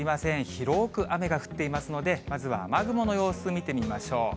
広く雨が降っていますので、まずは雨雲の様子見てみましょう。